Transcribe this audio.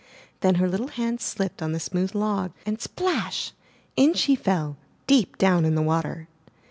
Then her little hands slipped on the smooth log and — splash! in she fell deep down in the water.